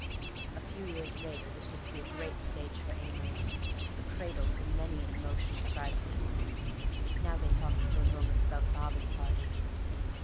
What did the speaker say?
A few years later this was to be a great stage for Amory, a cradle for many an emotional crisis. Now they talked for a moment about bobbing parties.